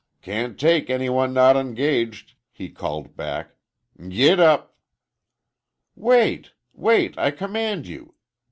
"Can't take any one not engaged," he called back, "Giddap!" "Wait,—wait! I command you!"